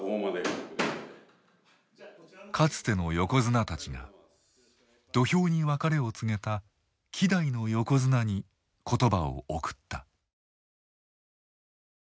かつての横綱たちが土俵に別れを告げた希代の横綱に言葉を贈った。